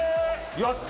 やった！